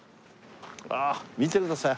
あっ見てください。